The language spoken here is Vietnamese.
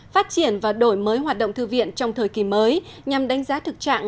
phát triển và đổi mới hoạt động thư viện trong thời kỳ mới nhằm đánh giá thực trạng